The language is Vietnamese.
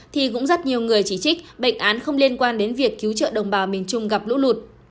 thì cũng rất nhiều người chỉ trích bệnh án không liên quan đến việc cứu trợ đồng bào miền trung gặp lũ lụt